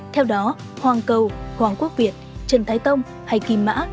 theo đó hoàng cầu hoàng quốc việt trần thái tông hay kỳ mã